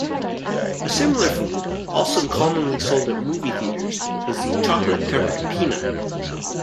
A similar food, also commonly sold at movie theaters, is the chocolate-covered peanut.